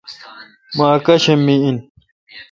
می اکاشم می این۔